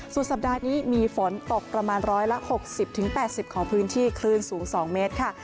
สุดสัปดาห์นี้มีฝนตกประมาณ๑๖๐๘๐ของพื้นที่คลื่นสูง๒เมตรค่ะ